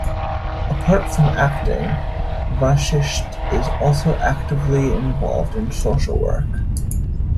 Apart from acting, Vashisht is also actively involved in social work.